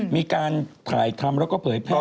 มีการถ่ายทำแล้วก็เผยแพร่